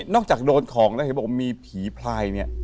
นอกจากโดนของและมีผีพลาย